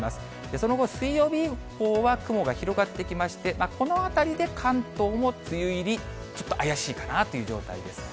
その後、水曜日以降は雲が広がってきまして、このあたりで関東も梅雨入り、ちょっと怪しいかなという状態です。